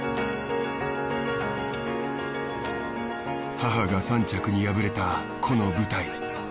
母が３着に敗れたこの舞台。